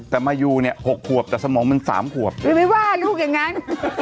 แต่มายูเนี้ยหกขวบแต่สมองมันสามขวบไม่ว่าลูกอย่างงั้น